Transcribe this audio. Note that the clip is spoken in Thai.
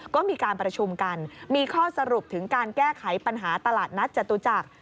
ก็มีการประชุมกันมีข้อสรุปถึงการแก้ไขปัญหาตลาดนัดจตุจักร